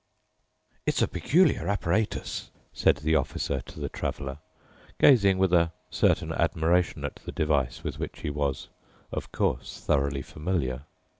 "It's a peculiar apparatus," said the Officer to the Traveler, gazing with a certain admiration at the device, with which he was, of course, thoroughly familiar.